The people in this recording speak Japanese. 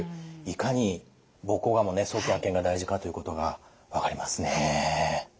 いかに膀胱がんも早期発見が大事かということが分かりますね。